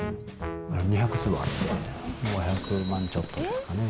２００坪あって、５００万ちょっとですかね。